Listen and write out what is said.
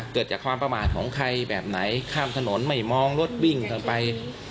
เกิดจากความประมาทของใครแบบไหนข้ามถนนไม่มองรถวิ่งกันไป